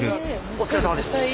お疲れさまです。